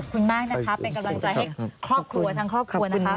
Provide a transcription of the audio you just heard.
คุณมากนะคะเป็นกำลังใจให้ครอบครัวทั้งครอบครัวนะคะ